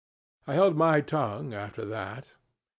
I held my tongue after that.